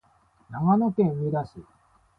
長野県上田市